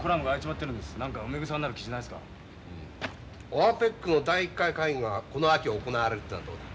オアペックの第１回会議がこの秋行われるってのはどうだ？